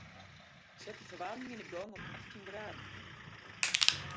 Set de ferwaarming yn 'e gong op achttjin graden.